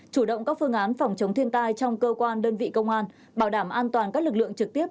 chủ động các phương án phòng chống thiên tai trong cơ quan đơn vị công an bảo đảm an toàn các lực lượng trực tiếp